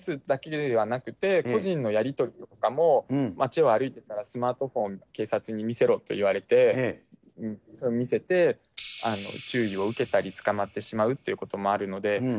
ＳＮＳだけではなくて、個人のやり取りとかも、街を歩いてたらスマートフォン、警察に見せろといわれて、見せて、注意を受けたり、捕まってしまうということもあるので。